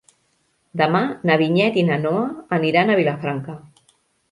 Demà na Vinyet i na Noa aniran a Vilafranca.